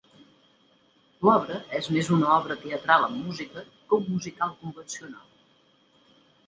L'obra és més una obra teatral amb música que un musical convencional.